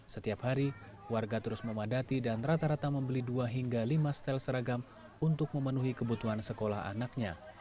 setiap hari warga terus memadati dan rata rata membeli dua hingga lima setel seragam untuk memenuhi kebutuhan sekolah anaknya